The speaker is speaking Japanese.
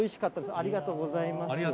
ありがとうございます。